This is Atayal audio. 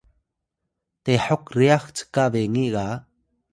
tehok ryax cka bengi ga